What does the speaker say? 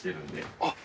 ・あっ。